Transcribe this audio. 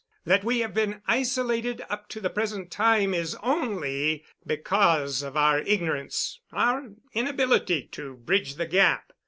That we have been isolated up to the present time is only because of our ignorance our inability to bridge the gap.